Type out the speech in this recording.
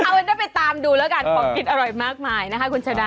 เอาได้ไปตามดูแล้วกันของกินอร่อยมากมายนะคะคุณชนะ